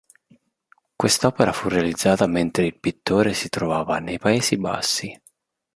Quest'opera fu realizzata mentre il pittore si trovava nei Paesi Bassi.